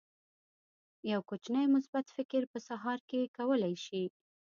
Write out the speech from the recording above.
یو کوچنی مثبت فکر په سهار کې کولی شي.